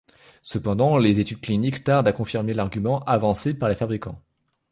Cependant, les études cliniques tardent à confirmer l'argument avancé par les fabricants.